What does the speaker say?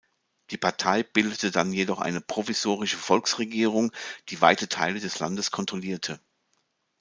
Die Partei bildete dann jedoch eine „Provisorische Volksregierung“, die weite Teile des Landes kontrollierte.